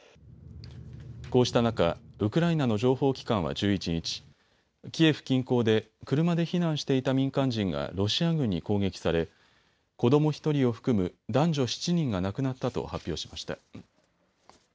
こうした中、ウクライナの情報機関は１１日、キエフ近郊で車で避難していた民間人がロシア軍に攻撃され子ども１人を含む、男女７人が亡くなったと発表しました。